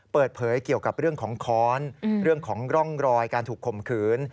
เปิดเผยเกี่ยวกับเรื่องของค้อนเรื่องของร่องรอยการถูกข่มขืน